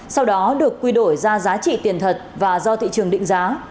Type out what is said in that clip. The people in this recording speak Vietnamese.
sau đó được quy đổi ra giá trị tiền thật và do thị trường định giá